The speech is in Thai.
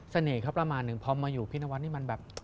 เสน่ห์ครับประมาณหนึ่งพอมาอยู่พี่นวัลนี่มันแบบ